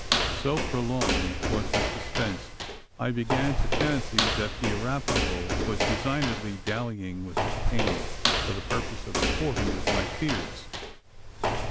So prolonged was the suspense, I began to fancy that the Arapaho was designedly dallying with his aim, for the purpose of sporting with my fears.